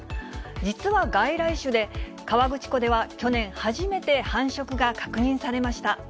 実は外来種で、河口湖では去年、初めて繁殖が確認されました。